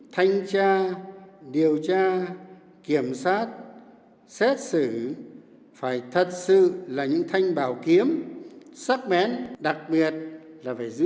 thanh tra điều tra kiểm soát xét xử phải thật sự là những thanh bào kiếm sắc mén đặc biệt là phải giữ